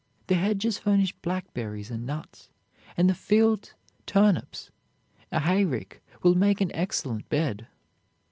The hedges furnish blackberries and nuts, and the fields, turnips; a hayrick will make an excellent bed."